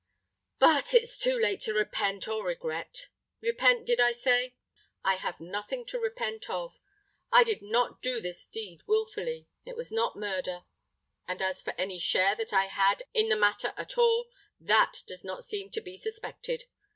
But it's too late to repent or regret. Repent, did I say? I have nothing to repent of. I did not do this deed wilfully: it was not murder. And as for any share that I had in the matter at all, that does not seem to be suspected.